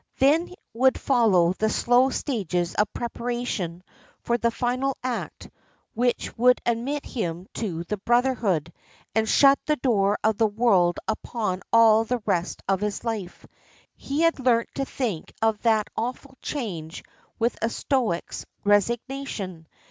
Then would follow the slow stages of preparation for the final act, which would admit him to the brotherhood, and shut the door of the world upon all the rest of his life. He had learnt to think of that awful change with a stoic's resignation.